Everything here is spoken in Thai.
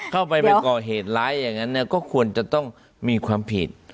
เข้าไปไปก่อเหตุร้ายอย่างนั้นก็ควรจะต้องมีความผิด